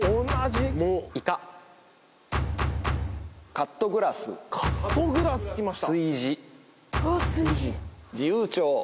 カットグラスきました。